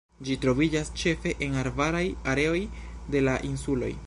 Ĝi troviĝas ĉefe en arbaraj areoj de la insuloj.